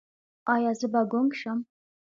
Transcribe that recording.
ایا زه به ګونګ شم؟